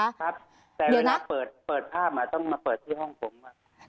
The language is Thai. ครับแต่เวลาเปิดภาพต้องมาเปิดที่ห้องผม